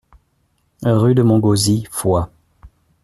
Rue de Montgauzy, Foix